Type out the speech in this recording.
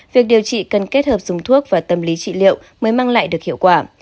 việc điều trị cần kết hợp dùng thuốc và tâm lý trị liệu mới mang lại được hiệu quả